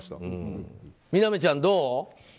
みなみちゃん、どう？